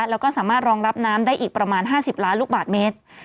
แล้วก็สามารถรองรับน้ำได้อีกประมาณ๕๐ล้านลูกบาทเมตร